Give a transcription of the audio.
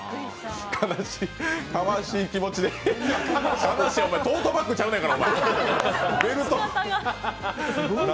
悲しい気持ちで、トートバッグちゃうねんから。